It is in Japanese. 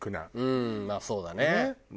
まあそうだね。